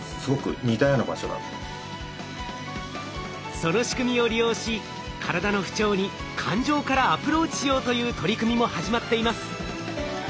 その仕組みを利用し体の不調に感情からアプローチしようという取り組みも始まっています。